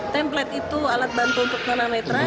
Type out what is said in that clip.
template itu alat bantu untuk tunanetra